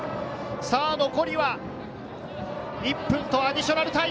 残りは１分とアディショナルタイム。